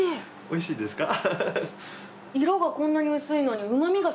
おいしいですか？